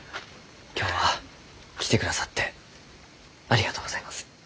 今日は来てくださってありがとうございます。